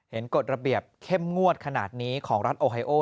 กฎระเบียบเข้มงวดขนาดนี้ของรัฐโอไฮโอ